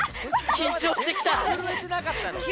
緊張してきた！